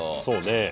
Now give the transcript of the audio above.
そうね。